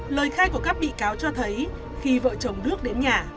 lời khai của các bị cáo cho thấy khi vợ chồng đức đến nhà